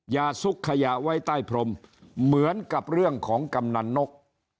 ซุกขยะไว้ใต้พรมเหมือนกับเรื่องของกำนันนก